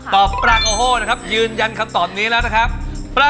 กล้องกังวดที่ปลากะโฮ